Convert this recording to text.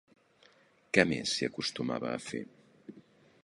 Què més s'hi acostumava a fer?